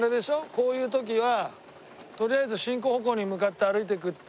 こういう時はとりあえず進行方向に向かって歩いていくっていう。